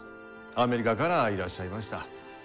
アメリカからいらっしゃいました。